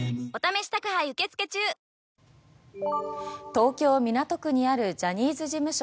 東京・港区にあるジャニーズ事務所